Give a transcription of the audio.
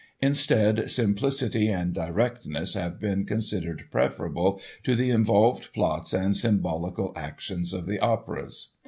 Instead, simplicity and directness have been considered preferable to the involved plots and symbolical actions of the operas.